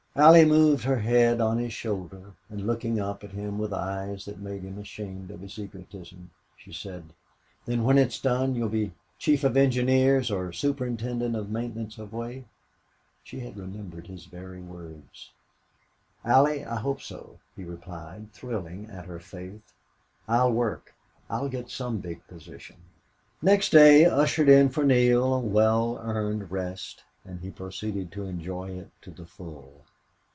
Allie moved her head on his shoulder, and, looking up at him with eyes that made him ashamed of his egotism, she said, "Then, when it's done you'll be chief of engineers or superintendent of maintenance of way?" She had remembered his very words. "Allie, I hope so," he replied, thrilling at her faith. "I'll work I'll get some big position." Next day ushered in for Neale a well earned rest, and he proceeded to enjoy it to the full.